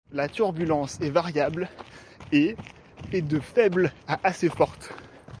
La turbulence est variable et est de faible à assez forte.